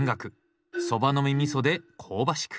そばの実みそで香ばしく。